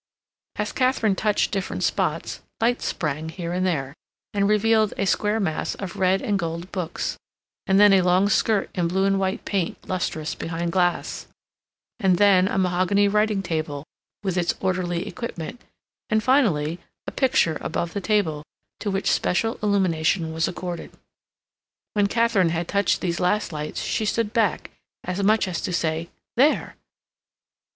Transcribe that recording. As Katharine touched different spots, lights sprang here and there, and revealed a square mass of red and gold books, and then a long skirt in blue and white paint lustrous behind glass, and then a mahogany writing table, with its orderly equipment, and, finally, a picture above the table, to which special illumination was accorded. When Katharine had touched these last lights, she stood back, as much as to say, "There!"